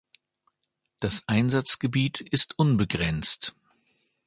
Das Einsatzgebiet ist unbegrenzt.